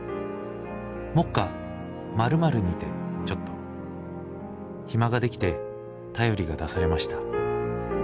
目下○○にてちょっと暇が出来て便りが出されました」。